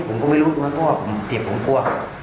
ผมก็ไม่รู้ตัวนั้นก็ว่าผมเตียบผมกลัว